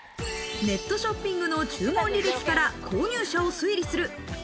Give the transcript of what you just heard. ネットショッピングの注文履歴から購入者を推理する、